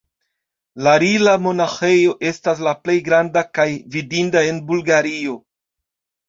La Rila-monaĥejo estas la plej granda kaj vidinda en Bulgario.